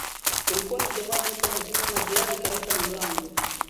Kulikuwa na jamaa mmoja amesimama jirani kabisa na mlango